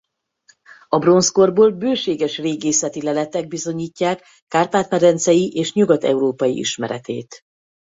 A bronzkorból bőséges régészeti leletek bizonyítják Kárpát-medencei és nyugat-európai ismeretét.